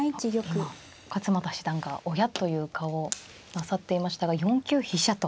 今勝又七段が「おや？」という顔をなさっていましたが４九飛車と。